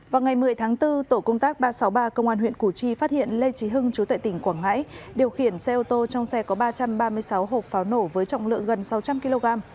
vào ngày một mươi tháng bốn tổ công tác ba trăm sáu mươi ba công an huyện củ chi phát hiện lê trí hưng chú tệ tỉnh quảng ngãi điều khiển xe ô tô trong xe có ba trăm ba mươi sáu hộp pháo nổ với trọng lượng gần sáu trăm linh kg